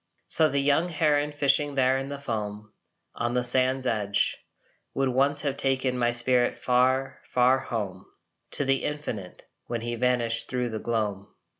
So the young heron fishing there in the foam On the sand's edge, Would once have taken my spirit far, far home To the infinite, when he vanished thro the gloam.